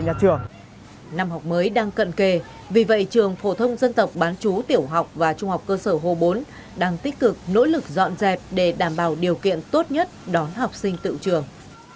năm học mới đang cận kề vì vậy trường phổ thông dân tộc bán chú tiểu học và trung học cơ sở hồ bốn đang tích cực nỗ lực dọn dẹp để đảm bảo điều kiện tốt nhất đón học sinh tự trường